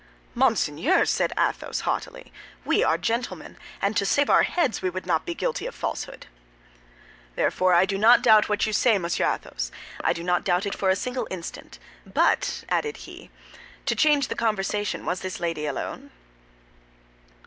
"Monseigneur," said Athos, haughtily, "we are gentlemen, and to save our heads we would not be guilty of a falsehood." "Therefore I do not doubt what you say, Monsieur Athos, I do not doubt it for a single instant; but," added he, "to change the conversation, was this lady alone?"